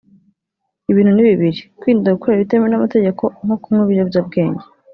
”Ibintu ni bibiri ; kwirinda gukora ibitemewe n’amategeko nko kunywa ibiyobyabwenge